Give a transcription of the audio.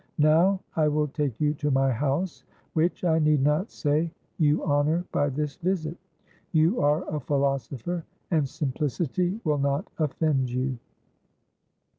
Now I will take you to my house, which, I need not say, you honour by this visit. You are a philosopher, and simplicity will not offend you."